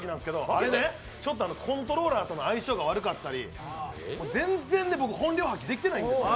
あれね、ちょっとコントローラーとの相性悪かったり、全然僕、本領発揮できていないんですよ。